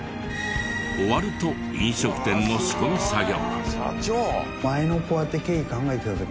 終わると飲食店の仕込み作業。